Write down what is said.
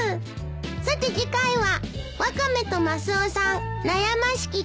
さて次回は。